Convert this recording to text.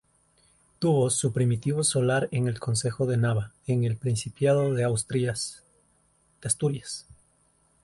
Tuvo su primitivo solar en el concejo de Nava, en el Principado de Asturias.